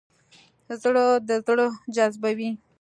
زړه د زړه جذبوي.